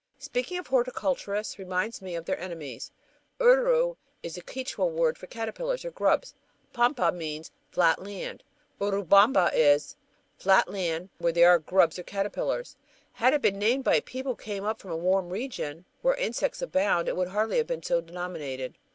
Speaking of horticulturists reminds me of their enemies. Uru is the Quichua word for caterpillars or grubs, pampa means flat land. Urubamba is "flat land where there are grubs or caterpillars." Had it been named by people who came up from a warm region where insects abound, it would hardly have been so denominated.